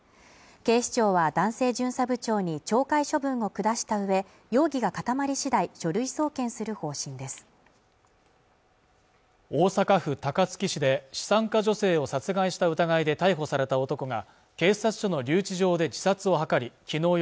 警視庁は男性巡査部長に懲戒処分を下したうえ容疑が固まり次第、書類送検する方針です大阪府高槻市で資産家女性を殺害した疑いで逮捕された男が警察署の留置場で自殺を図りきのう